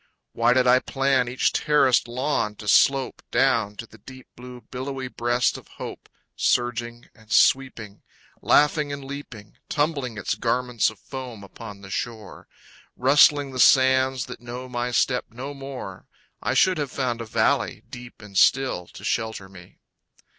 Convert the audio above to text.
Why did I plan each terraced lawn to slope Down to the deep blue billowy breast of hope, Surging and sweeping, laughing and leaping, Tumbling its garments of foam upon the shore, Rustling the sands that know my step no more, I should have found a valley, deep and still, To shelter me.